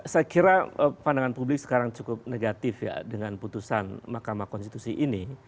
saya kira pandangan publik sekarang cukup negatif ya dengan putusan mahkamah konstitusi ini